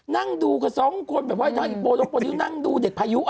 นั่งดูกับสองคนอย่างนี้ดูเด็กพายุ